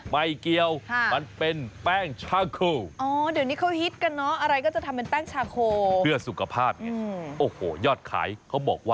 ใบเกียวมันเป็นแป้งชาโค